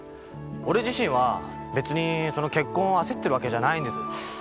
俺自身は別に結婚を焦ってるわけじゃないんです。